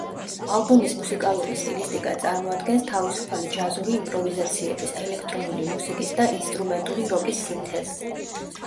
ალბომის მუსიკალური სტილისტიკა წარმოადგენს თავისუფალი ჯაზური იმპროვიზაციების, ელექტრონული მუსიკის და ინსტრუმენტული როკის სინთეზს.